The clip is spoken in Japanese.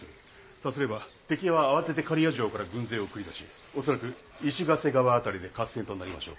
さすれば敵は慌てて刈谷城から軍勢を繰り出し恐らく石ヶ瀬川辺りで合戦となりましょう。